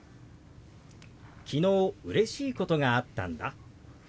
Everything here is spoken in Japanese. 「昨日うれしいことがあったんだ」。